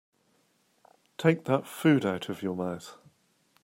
Take that food out of your mouth.